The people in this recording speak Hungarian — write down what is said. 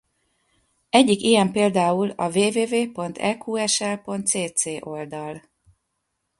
Egyik ilyen például a www.eqsl.cc oldal.